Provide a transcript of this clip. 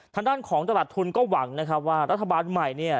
ทางด้านของตลาดทุนก็หวังนะครับว่ารัฐบาลใหม่เนี่ย